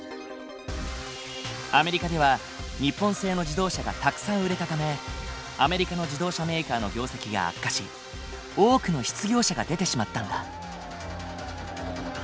アメリカでは日本製の自動車がたくさん売れたためアメリカの自動車メーカーの業績が悪化し多くの失業者が出てしまったんだ。